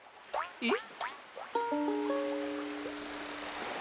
えっ？